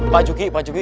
pak yuki pak yuki